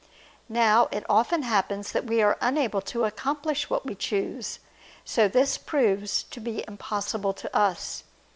Now it often happens that we are unable to accomplish what we choose: so that this proves to be impossible to us.